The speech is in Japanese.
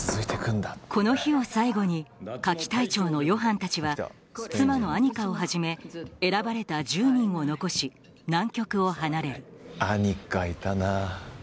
この日を最後に夏期隊長のヨハンたちは妻のアニカをはじめ選ばれた１０人を残し南極を離れるアニカいたな。